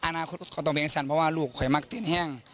อนาคตก็ต้องเลี้ยงสั้นเพราะว่าลูกคอยมักติดแห้ง